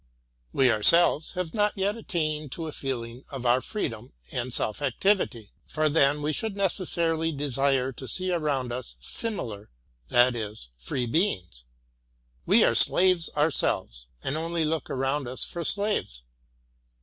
We ourselves have not yet attained to a feeling of our freedom and self activity, for then we should necessarily desire to see around us similar, — that isfree beings. We are slaves ourselves; — and only look around us for slaves.